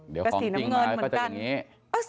เดี๋ยวของติ้งมาก็จะอย่างนี้แต่สีน้ำเงินเหมือนกัน